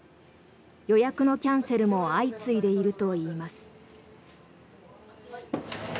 予約のキャンセルも相次いでいるといいます。